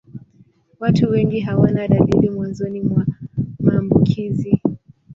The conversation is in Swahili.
Watu wengi hawana dalili mwanzoni mwa maambukizi.